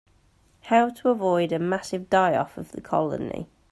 How to avoid a massive die-off of the colony.